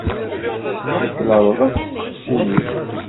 tuklaleḍ akk ul-iw.